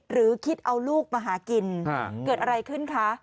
หรือคิดเอาลูกมาหากินเกิดอะไรขึ้นคะ